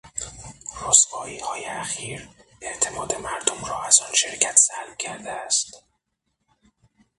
رسواییهای اخیر اعتماد مردم را از آن شرکت سلب کرده است.